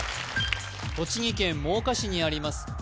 栃木県真岡市にあります